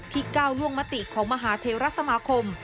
พี่ก้าวล่วงมติของมหาเทราสมาคม